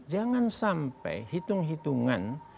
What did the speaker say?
jangan sampai hitung hitungan